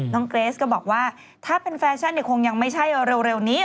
เกรสก็บอกว่าถ้าเป็นแฟชั่นคงยังไม่ใช่เร็วนี้